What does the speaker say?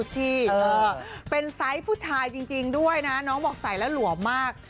ที่เป็นไซส์ผู้ชายจริงด้วยนะน้องบอกใส่แล้วหลวมมาก